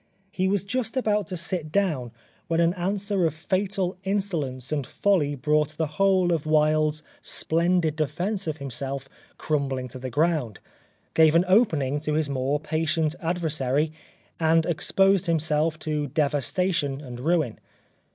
He was just about to sit down when an answer of fatal insolence and folly brought the whole of Wilde's splendid defence of himself crumbling to the ground, gave an opening to his more patient adversary, and exposed him to devastation and ruin.